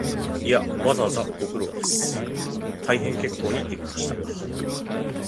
いや、わざわざご苦労です、大変結構にできました